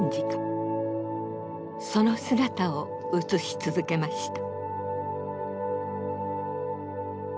その姿を写し続けました。